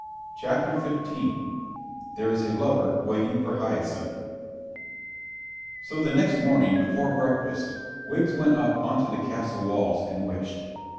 CHAPTER XV THERE IS A LOVER WAITING FOR HYACINTH So the next morning before breakfast Wiggs went up on to the castle walls and wished.